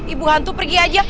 ibu hantu pergi aja